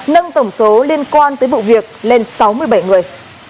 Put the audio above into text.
nâng tổng số liên quan tới vụ việc lên sáu mươi bảy người